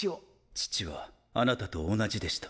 父は貴方と同じでした。